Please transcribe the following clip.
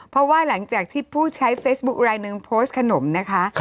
เพราะว่าหลังจากที่ผู้ใช้เฟซบุ๊คไลนึงโพสต์ขนมนะคะ